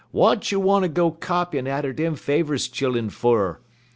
"W'at you wanter go copyin' atter dem Favers chillun fer?